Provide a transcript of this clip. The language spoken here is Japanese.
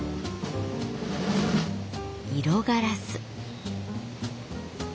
色ガラス。